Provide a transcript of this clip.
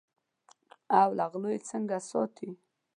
او له غلو یې څنګه ساتې.